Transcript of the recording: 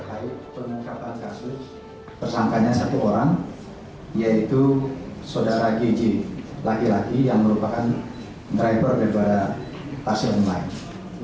terima kasih tersangkanya satu orang yaitu saudara gj laki laki yang merupakan driver daripada pasien online